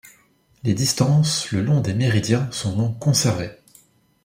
Les distances le long des méridiens sont donc conservées.